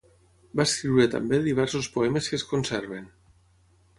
Va escriure també diversos poemes que es conserven.